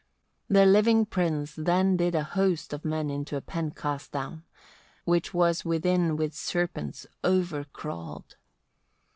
31. The living prince then did a host of men into a pen cast down, which was within with serpents over crawled.